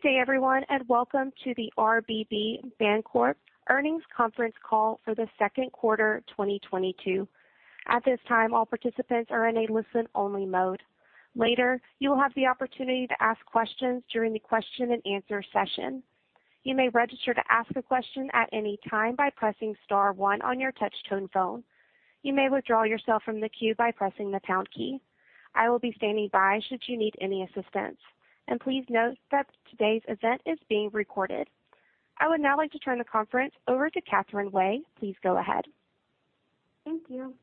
Good day, everyone, and welcome to the RBB Bancorp Earnings Conference Call for the second quarter 2022. At this time, all participants are in a listen-only mode. Later, you will have the opportunity to ask questions during the question-and-answer session. You may register to ask a question at any time by pressing star one on your touch-tone phone. You may withdraw yourself from the queue by pressing the pound key. I will be standing by should you need any assistance. Please note that today's event is being recorded. I would now like to turn the conference over to Catherine Wei. Please go ahead. Thank you.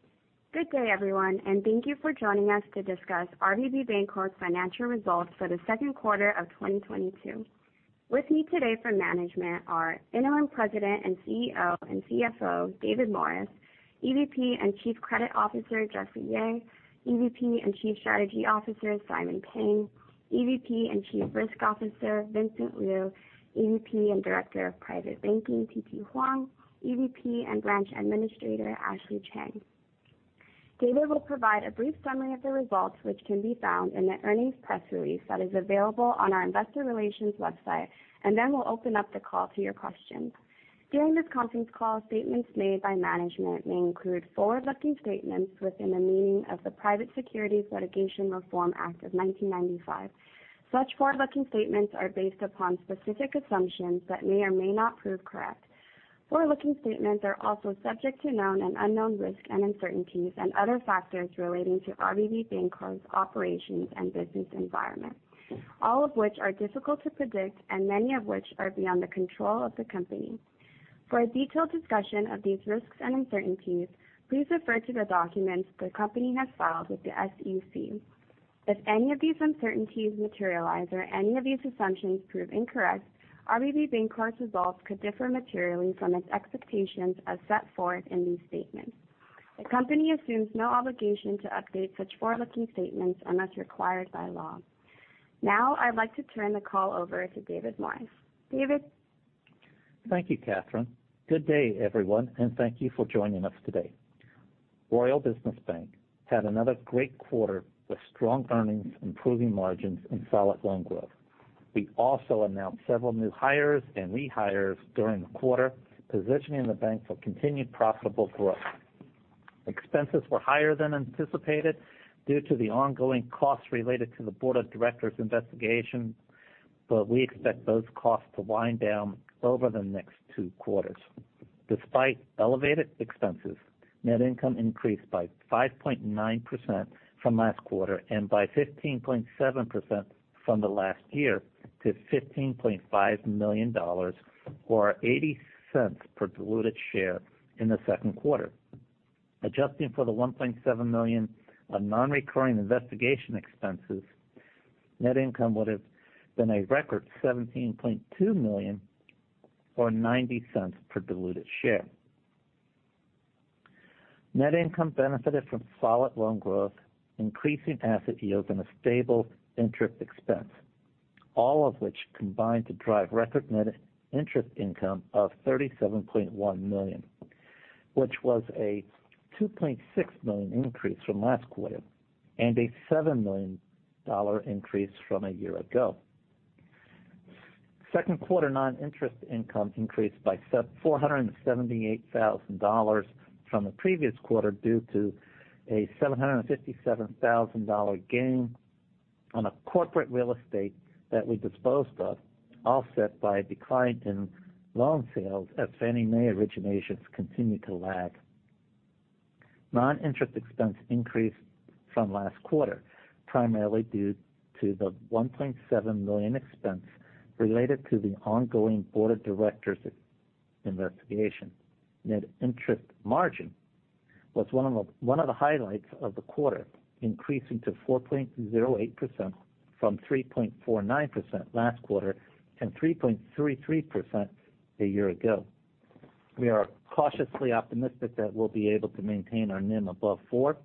Good day, everyone, and thank you for joining us to discuss RBB Bancorp's financial results for the second quarter of 2022. With me today from management are Interim President and CEO and CFO, David Morris; EVP and Chief Credit Officer, Jeffrey Yeh; EVP and Chief Strategy Officer, Simon Pang; EVP and Chief Risk Officer, Vincent Liu; EVP and Director of Private Banking, Tsu Te Huang; EVP and Branch Administrator, Ashley Chang. David will provide a brief summary of the results, which can be found in the earnings press release that is available on our investor relations website, and then we'll open up the call to your questions. During this conference call, statements made by management may include forward-looking statements within the meaning of the Private Securities Litigation Reform Act of 1995. Such forward-looking statements are based upon specific assumptions that may or may not prove correct. Forward-looking statements are also subject to known and unknown risks and uncertainties and other factors relating to RBB Bancorp's operations and business environment, all of which are difficult to predict and many of which are beyond the control of the company. For a detailed discussion of these risks and uncertainties, please refer to the documents the company has filed with the SEC. If any of these uncertainties materialize or any of these assumptions prove incorrect, RBB Bancorp's results could differ materially from its expectations as set forth in these statements. The company assumes no obligation to update such forward-looking statements unless required by law. Now, I'd like to turn the call over to David Morris. David? Thank you, Catherine. Good day, everyone, and thank you for joining us today. Royal Business Bank had another great quarter with strong earnings, improving margins, and solid loan growth. We also announced several new hires and rehires during the quarter, positioning the bank for continued profitable growth. Expenses were higher than anticipated due to the ongoing costs related to the Board of Directors investigation, but we expect those costs to wind down over the next two quarters. Despite elevated expenses, net income increased by 5.9% from last quarter and by 15.7% from last year to $15.5 million or $0.80 per diluted share in the second quarter. Adjusting for the $1.7 million on non-recurring investigation expenses, net income would've been a record $17.2 million or $0.90 per diluted share. Net income benefited from solid loan growth, increasing asset yields, and a stable interest expense, all of which combined to drive record net interest income of $37.1 million, which was a $2.6 million increase from last quarter and a $7 million increase from a year ago. Second quarter non-interest income increased by $478,000 from the previous quarter due to a $757,000 gain on a corporate real estate that we disposed of, offset by a decline in loan sales as Fannie Mae originations continued to lag. Non-interest expense increased from last quarter, primarily due to the $1.7 million expense related to the ongoing Board of Directors investigation. Net interest margin was one of the highlights of the quarter, increasing to 4.08% from 3.49% last quarter and 3.33% a year ago. We are cautiously optimistic that we'll be able to maintain our NIM above 4%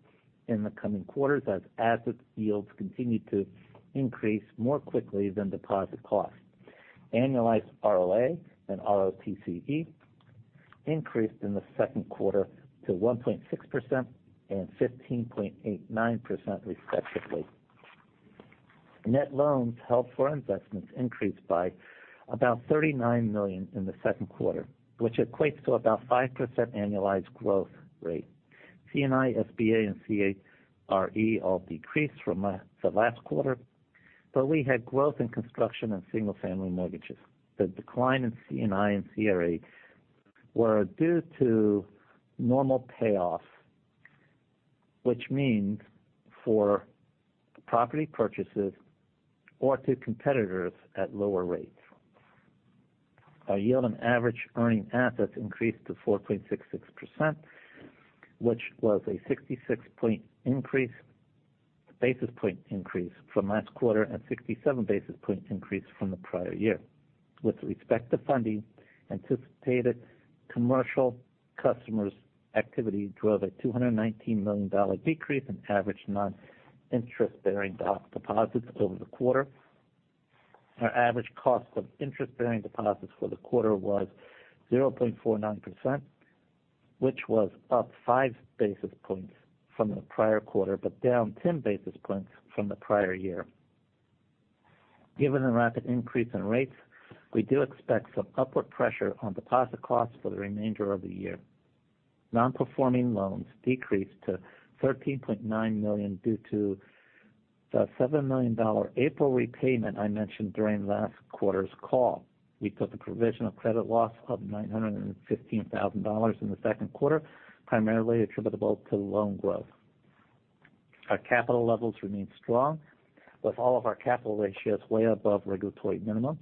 in the coming quarters as asset yields continue to increase more quickly than deposit costs. Annualized ROA and ROTCE increased in the second quarter to 1.6% and 15.89%, respectively. Net loans held for investments increased by about $39 million in the second quarter, which equates to about 5% annualized growth rate. C&I, SBA, and CRE all decreased from the last quarter, but we had growth in construction and single-family mortgages. The decline in C&I and CRE were due to normal payoff, which means for property purchases or to competitors at lower rates. Our yield on average earning assets increased to 4.66%, which was a 66 basis point increase from last quarter and 67 basis point increase from the prior year. With respect to funding, anticipated commercial customers' activity drove a $219 million decrease in average non-interest-bearing deposits over the quarter. Our average cost of interest-bearing deposits for the quarter was 0.49%, which was up 5 basis points from the prior quarter, but down 10 basis points from the prior year. Given the rapid increase in rates, we do expect some upward pressure on deposit costs for the remainder of the year. Non-performing loans decreased to $13.9 million due to the $7 million April repayment I mentioned during last quarter's call. We took a provision of credit loss of $915,000 in the second quarter, primarily attributable to loan growth. Our capital levels remain strong, with all of our capital ratios way above regulatory minimums.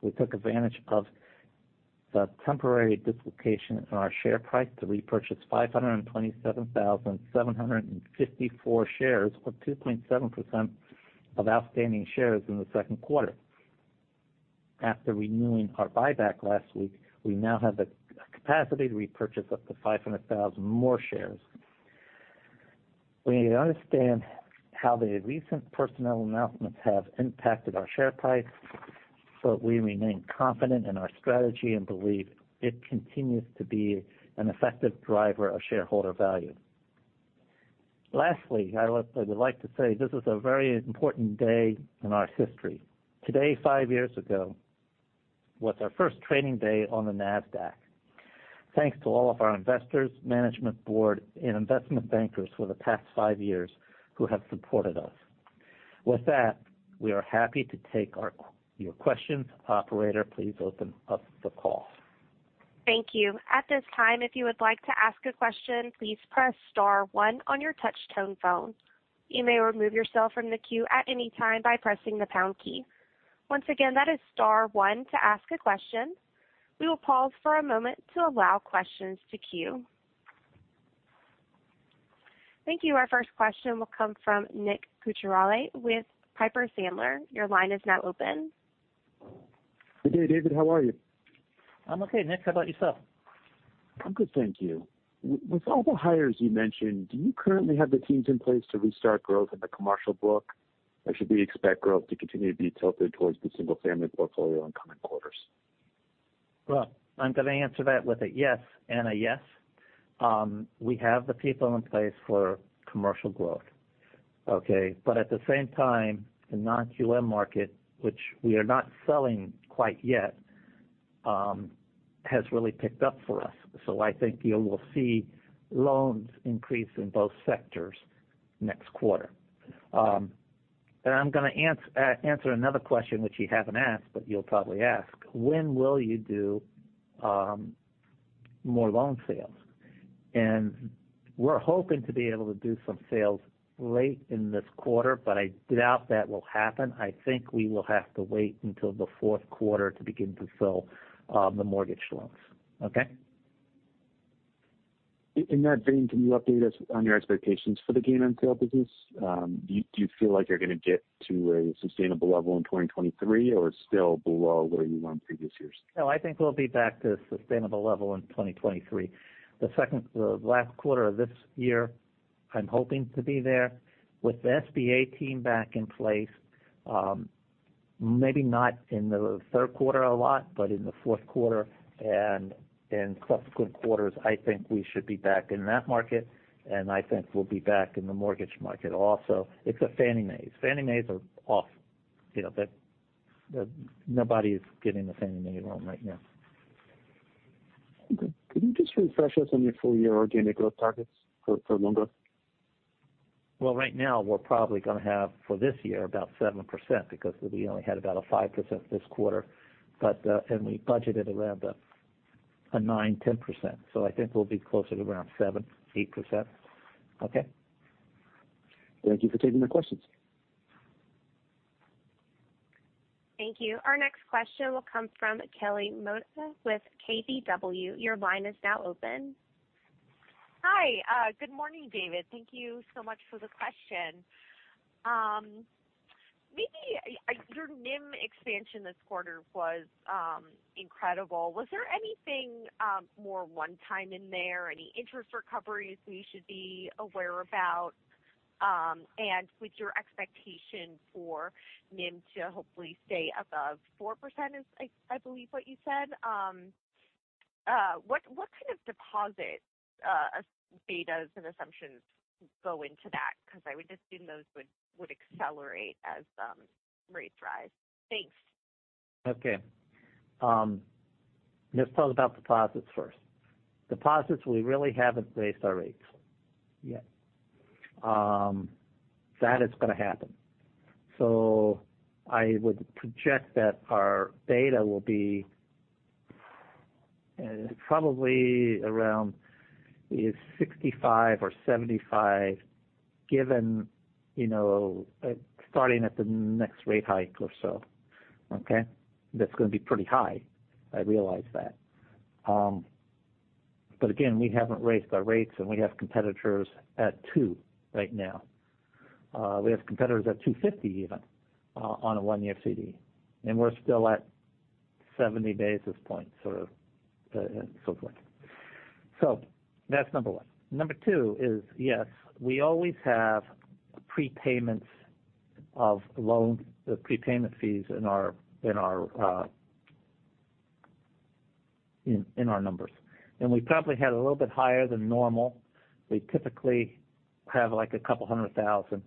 We took advantage of the temporary dislocation in our share price to repurchase 527,754 shares, or 2.7% of outstanding shares in the second quarter. After renewing our buyback last week, we now have the capacity to repurchase up to 500,000 more shares. We understand how the recent personnel announcements have impacted our share price, but we remain confident in our strategy and believe it continues to be an effective driver of shareholder value. Lastly, I would like to say this is a very important day in our history. Today, five years ago, was our first trading day on the Nasdaq. Thanks to all of our investors, management board and investment bankers for the past five years who have supported us. With that, we are happy to take your questions. Operator, please open up the call. Thank you. At this time, if you would like to ask a question, please press star one on your touch tone phone. You may remove yourself from the queue at any time by pressing the pound key. Once again, that is star one to ask a question. We will pause for a moment to allow questions to queue. Thank you. Our first question will come from Nick Cucharale with Piper Sandler. Your line is now open. Good day, David, how are you? I'm okay, Nick, how about yourself? I'm good, thank you. With all the hires you mentioned, do you currently have the teams in place to restart growth in the commercial book, or should we expect growth to continue to be tilted towards the single-family portfolio in coming quarters? Well, I'm going to answer that with a yes and a yes. We have the people in place for commercial growth. Okay. At the same time, the non-QM market, which we are not selling quite yet, has really picked up for us. I think you will see loans increase in both sectors next quarter. I'm gonna answer another question which you haven't asked, but you'll probably ask, "When will you do more loan sales?" We're hoping to be able to do some sales late in this quarter, but I doubt that will happen. I think we will have to wait until the fourth quarter to begin to sell the mortgage loans. Okay? In that vein, can you update us on your expectations for the gain on sale business? Do you feel like you're gonna get to a sustainable level in 2023, or it's still below where you were in previous years? No, I think we'll be back to sustainable level in 2023. The last quarter of this year, I'm hoping to be there. With the SBA team back in place, maybe not in the third quarter a lot, but in the fourth quarter and in subsequent quarters, I think we should be back in that market, and I think we'll be back in the mortgage market also. It's a Fannie Mae. Fannie Maes are off, you know. Nobody is getting a Fannie Mae loan right now. Okay. Can you just refresh us on your full year organic growth targets for loan growth? Well, right now we're probably gonna have, for this year, about 7% because we only had about 5% this quarter. We budgeted around a 9%-10%. I think we'll be closer to around 7%-8%. Okay? Thank you for taking the questions. Thank you. Our next question will come from Kelly Motta with KBW. Your line is now open. Hi. Good morning, David. Thank you so much for the question. Maybe your NIM expansion this quarter was incredible. Was there anything more one-time in there, any interest recoveries we should be aware about? With your expectation for NIM to hopefully stay above 4% is, I believe, what you said, what kind of deposit betas and assumptions go into that because I would assume those would accelerate as rates rise? Thanks. Okay. Let's talk about deposits first. Deposits, we really haven't raised our rates yet. That is gonna happen. I would project that our beta will be probably around 65 or 75, given, you know, starting at the next rate hike or so. Okay. That's gonna be pretty high, I realize that. But again, we haven't raised our rates, and we have competitors at two right now. We have competitors at 2.50 even, on a one-year CD, and we're still at 70 basis points, sort of, so forth. That's number one. Number two is, yes, we always have prepayment of loans, the prepayment fees in our numbers. We probably had a little bit higher than normal. We typically have, like, a couple hundred thousand.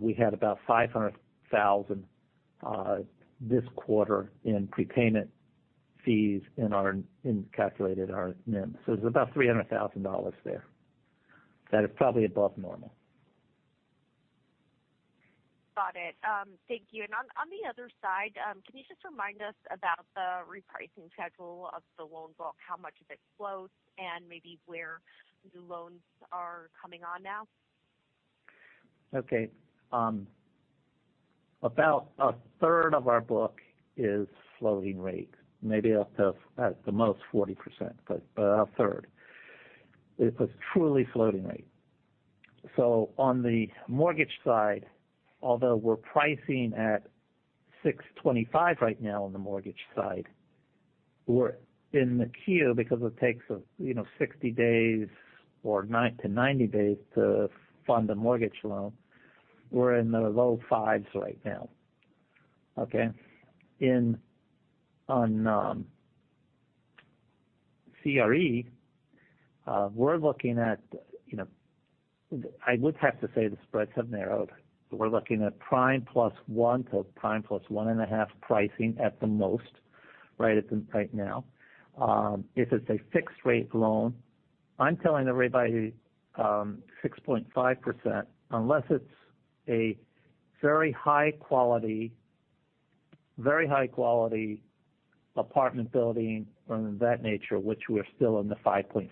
We had about $500,000 this quarter in prepayment fees in calculating our NIM. It's about $300,000 there. That is probably above normal. Got it. Thank you. On the other side, can you just remind us about the repricing schedule of the loans, about how much of it floats and maybe where the loans are coming on now? Okay. About a third of our book is floating rate, maybe up to at the most 40%, but a third. It's a truly floating rate. On the mortgage side, although we're pricing at 6.25 right now on the mortgage side, we're in the queue because it takes us 60 days to 90 days to fund a mortgage loan. We're in the low fives right now. Okay? On CRE, we're looking at, I would have to say the spreads have narrowed. We're looking at prime +1 to prime +1.5 pricing at the most right now. If it's a fixed rate loan, I'm telling everybody 6.5%, unless it's a very high quality apartment building or of that nature, which we're still in the 5.5%.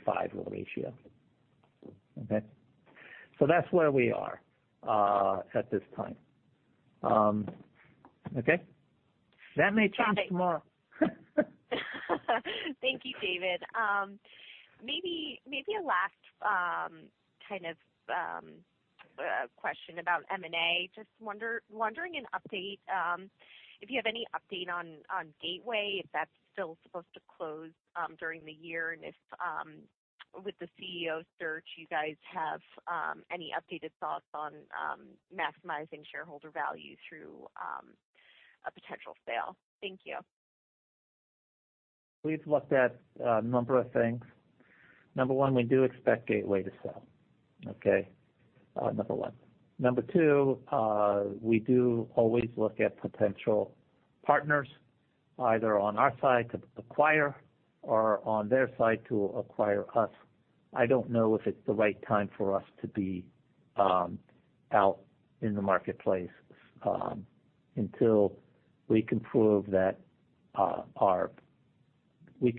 That's where we are at this time. Okay? That may change tomorrow. Thank you, David. Maybe a last kind of question about M&A. Just wondering an update if you have any update on Gateway, if that's still supposed to close during the year, and if, with the CEO search, you guys have any updated thoughts on maximizing shareholder value through a potential sale. Thank you. We've looked at a number of things. Number one, we do expect Gateway to sell. Okay? Number two, we do always look at potential partners, either on our side to acquire or on their side to acquire us. I don't know if it's the right time for us to be out in the marketplace until we can prove that we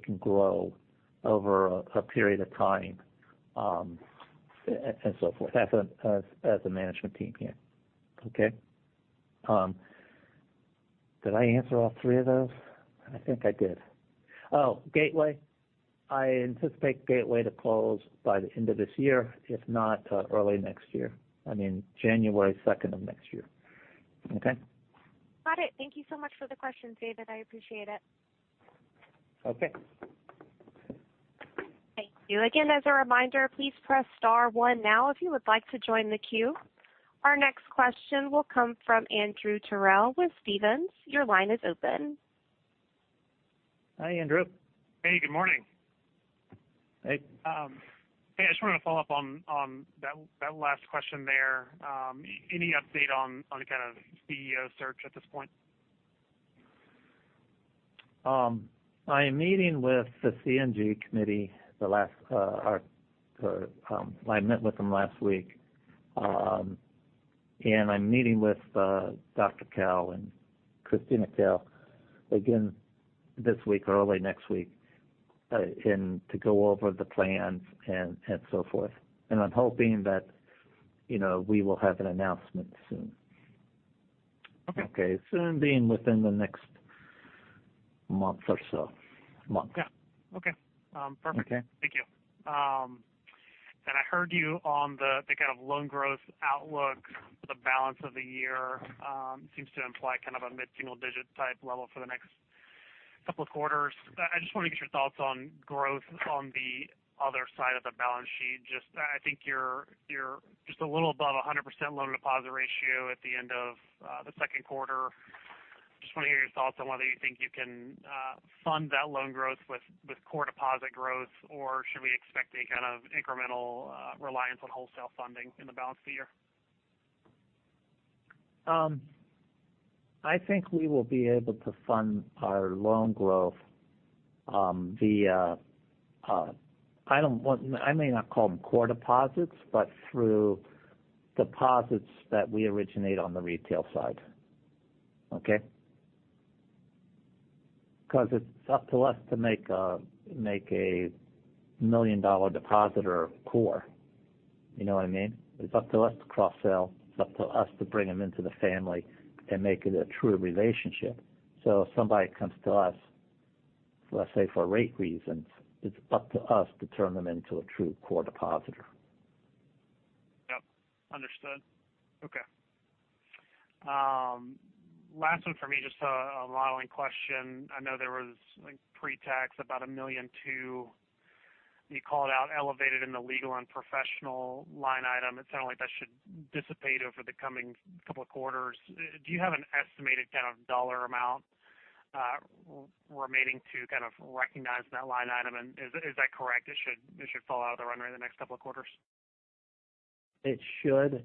can grow over a period of time and so forth as a management team here. Okay? Did I answer all three of those? I think I did. Oh, Gateway. I anticipate Gateway to close by the end of this year, if not early next year. I mean, January 2nd of next year. Okay? Got it. Thank you so much for the questions, David. I appreciate it. Okay. Thank you. Again, as a reminder, please press star one now if you would like to join the queue. Our next question will come from Andrew Terrell with Stephens. Your line is open. Hi, Andrew. Hey, good morning. Hey. Hey, I just wanna follow up on that last question there. Any update on the kind of CEO search at this point? I'm meeting with the [inaudible] committee. I met with them last week. I'm meeting with Dr. Kao, Christina Kao again this week or early next week, and to go over the plans and so forth. I'm hoping that, you know, we will have an announcement soon. Okay. Okay, soon being within the next month or so. Month. Yeah. Okay. Perfect. Okay. Thank you. I heard you on the kind of loan growth outlook for the balance of the year, seems to imply kind of a mid-single digit type level for the next couple of quarters. I just wanna get your thoughts on growth on the other side of the balance sheet. Just I think you're just a little above 100% loan deposit ratio at the end of the second quarter. Just wanna hear your thoughts on whether you think you can fund that loan growth with core deposit growth, or should we expect any kind of incremental reliance on wholesale funding in the balance of the year? I think we will be able to fund our loan growth via, I may not call them core deposits, but through deposits that we originate on the retail side. Okay? Because it's up to us to make a million-dollar depositor core. You know what I mean? It's up to us to cross-sell. It's up to us to bring them into the family and make it a true relationship. If somebody comes to us, let's say, for rate reasons, it's up to us to turn them into a true core depositor. Yep. Understood. Okay. Last one for me, just a modeling question. I know there was like pre-tax about $1.2 million. You called out elevated in the legal and professional line item. It sounded like that should dissipate over the coming couple of quarters. Do you have an estimated kind of dollar amount remaining to kind of recognize that line item and is that correct it should fall out of the runway in the next couple of quarters? It should.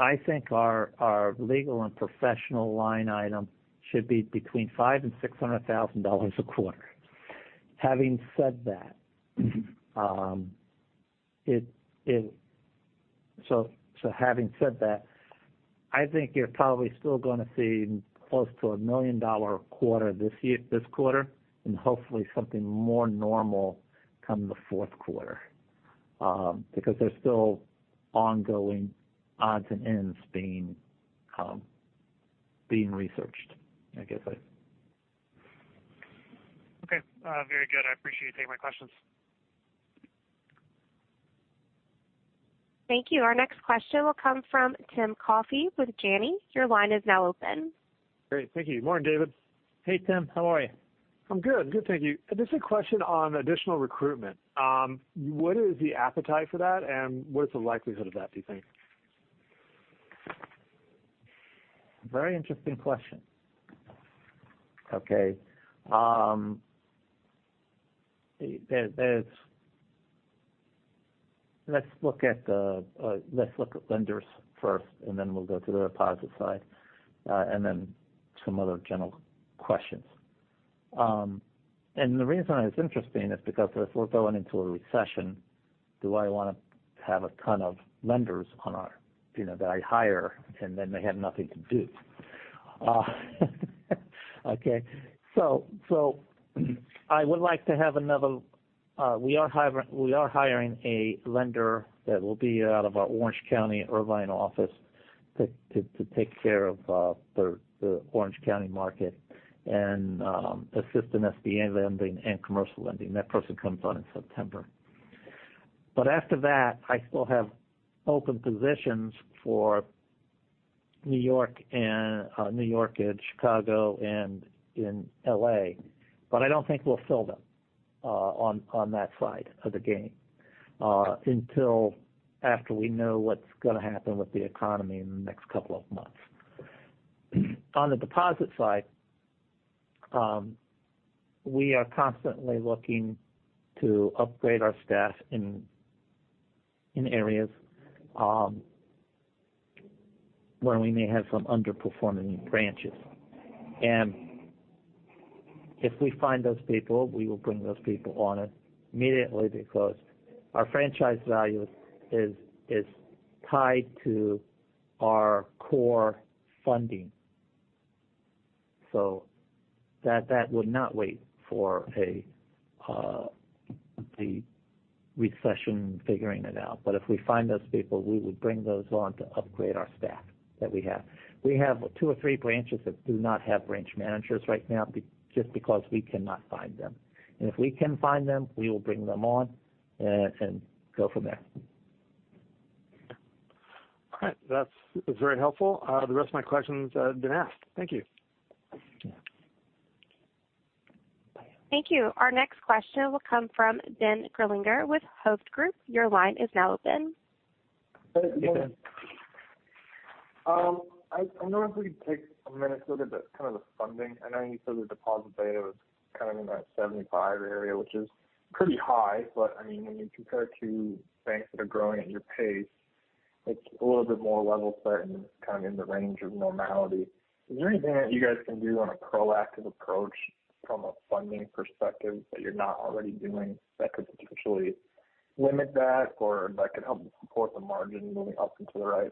I think our legal and professional line item should be between $500,000-$600,000 a quarter. Having said that, I think you're probably still gonna see close to a $1 million quarter this year, this quarter, and hopefully something more normal come the fourth quarter, because there's still ongoing odds and ends being researched, I guess. Okay, very good. I appreciate you taking my questions. Thank you. Our next question will come from Tim Coffey with Janney. Your line is now open. Great. Thank you. Morning, David. Hey, Tim. How are you? I'm good. Good, thank you. Just a question on additional recruitment. What is the appetite for that, and what is the likelihood of that, do you think? Very interesting question. Okay. Let's look at lenders first, and then we'll go to the deposit side, and then some other general questions. The reason why it's interesting is because if we're going into a recession, do I wanna have a ton of lenders on our, you know, that I hire, and then they have nothing to do? We are hiring a lender that will be out of our Orange County, Irvine office to take care of the Orange County market and assist in SBA lending and commercial lending. That person comes on in September. After that, I still have open positions for New York and Chicago and in L.A., but I don't think we'll fill them on that side of the game until after we know what's gonna happen with the economy in the next couple of months. On the deposit side, we are constantly looking to upgrade our staff in areas where we may have some underperforming branches. If we find those people, we will bring those people on immediately because our franchise value is tied to our core funding. That would not wait for the recession figuring it out. If we find those people, we would bring those on to upgrade our staff that we have. We have two or three branches that do not have branch managers right now just because we cannot find them. If we can find them, we will bring them on and go from there. All right. That's very helpful. The rest of my questions have been asked. Thank you. Yeah. Thank you. Our next question will come from Ben Gerlinger with Hovde Group. Your line is now open. Hey, Ben. I wonder if we could take a minute to look at the kind of funding. I know you said the deposit beta was kind of in that 75 area, which is pretty high. I mean, when you compare it to banks that are growing at your pace, it's a little bit more level set and kind of in the range of normality. Is there anything that you guys can do on a proactive approach from a funding perspective that you're not already doing that could potentially limit that or that could help support the margin moving up into the right?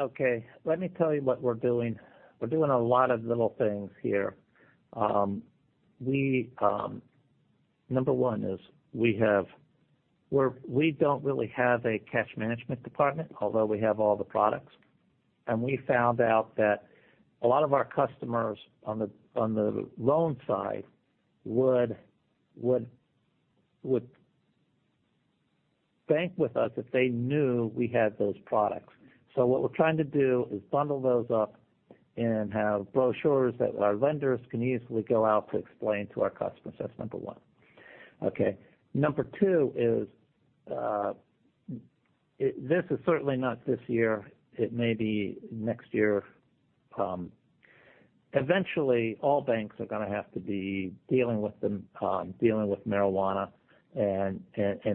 Okay, let me tell you what we're doing. We're doing a lot of little things here. Number one is we don't really have a cash management department, although we have all the products. We found out that a lot of our customers on the loan side would bank with us if they knew we had those products. What we're trying to do is bundle those up and have brochures that our lenders can easily go out to explain to our customers. That's number one. Okay. Number two is this is certainly not this year. It may be next year. Eventually all banks are gonna have to be dealing with marijuana and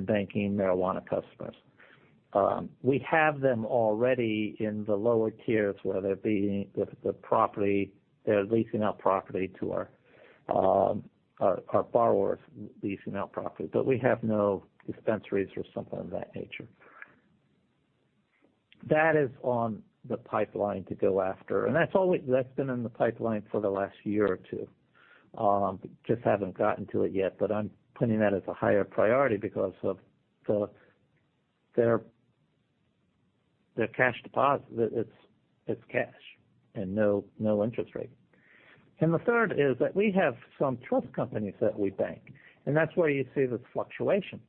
banking marijuana customers. We have them already in the lower tiers, whether it be with the property, they're leasing out property to our borrowers leasing out property, but we have no dispensaries or something of that nature. That is in the pipeline to go after. That's been in the pipeline for the last year or two. Just haven't gotten to it yet, but I'm putting that as a higher priority because of their cash deposit. It's cash and no interest rate. The third is that we have some trust companies that we bank, and that's where you see this fluctuation.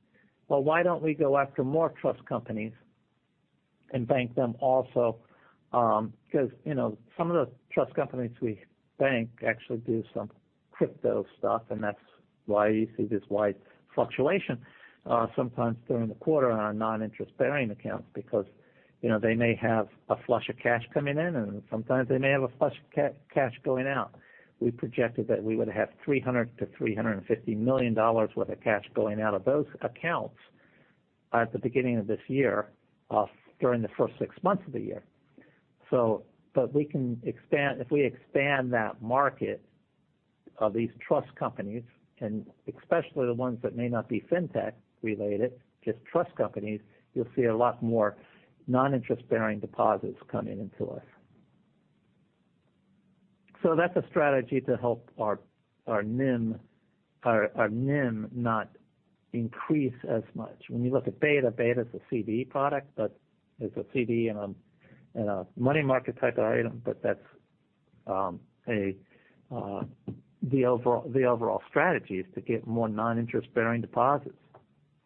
Well, why don't we go after more trust companies and bank them also? Because, you know, some of the trust companies we bank actually do some crypto stuff, and that's why you see this wide fluctuation sometimes during the quarter on our non-interest-bearing accounts because, you know, they may have a flush of cash coming in, and sometimes they may have a flush of cash going out. We projected that we would have $300 million-$350 million worth of cash going out of those accounts at the beginning of this year or during the first six months of the year, but we can expand. If we expand that market of these trust companies, and especially the ones that may not be fintech related, just trust companies, you'll see a lot more non-interest-bearing deposits coming into us. That's a strategy to help our NIM not increase as much. When you look at beta is a CD product, but it's a CD in a money market type of item, but that's the overall strategy is to get more non-interest-bearing deposits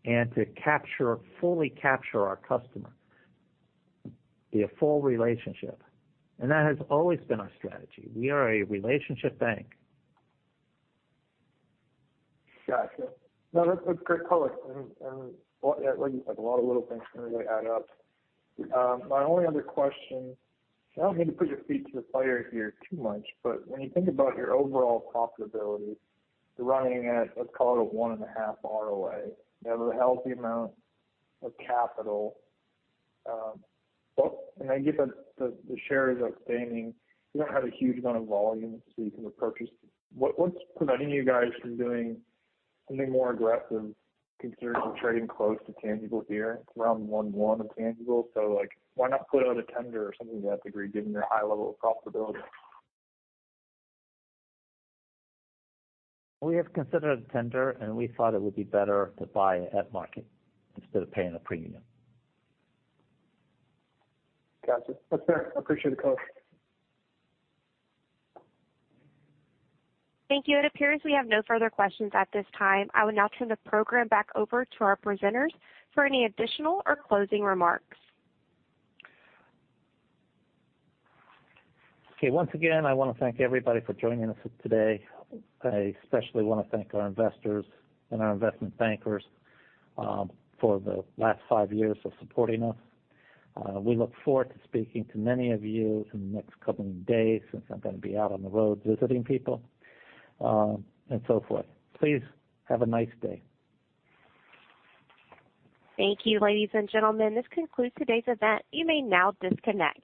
and to capture, fully capture our customer via full relationship. That has always been our strategy. We are a relationship bank. Gotcha. No, that's great color, and like a lot of little things can really add up. My only other question, I don't mean to put your feet to the fire here too much, but when you think about your overall profitability, you're running at, let's call it a 1.5 ROA. You have a healthy amount of capital. Well, I get that the shares are standing. You don't have a huge amount of volume so you can repurchase. What's preventing you guys from doing something more aggressive considering you're trading close to tangible here around 1.1 of tangible? Like why not put out a tender or something to that degree given your high level of profitability? We have considered a tender, and we thought it would be better to buy at market instead of paying a premium. Gotcha. That's fair. Appreciate the color. Thank you. It appears we have no further questions at this time. I will now turn the program back over to our presenters for any additional or closing remarks. Okay. Once again, I want to thank everybody for joining us today. I especially want to thank our investors and our investment bankers for the last five years of supporting us. We look forward to speaking to many of you in the next coming days since I'm going to be out on the road visiting people and so forth. Please have a nice day. Thank you, ladies and gentlemen. This concludes today's event. You may now disconnect.